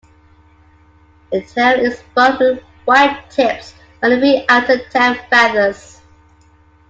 The tail is broad with white tips on the three outer tail feathers.